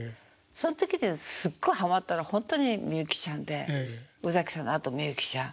そん時にすごいはまったのほんとにみゆきちゃんで宇崎さんのあとみゆきちゃん。